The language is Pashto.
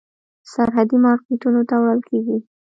سرحدي مارکېټونو ته وړل کېږي.